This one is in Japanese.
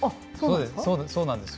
そうなんですよ。